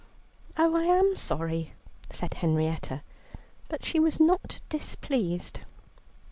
"Oh, I am sorry," said Henrietta, but she was not displeased.